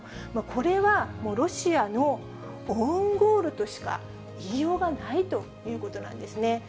これはロシアのオウンゴールとしか言いようがないということなんですね。